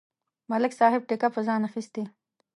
ملک صاحب ټېکه په ځان اخستې.